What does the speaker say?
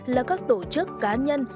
là các tổ chức cá nhân